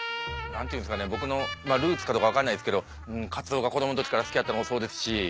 僕のルーツかどうか分かんないですけどカツオが子供の時から好きやったのもそうですし。